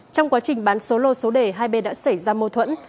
trong quá trình bán số lô số đề hai bên đã xảy ra mâu thuẫn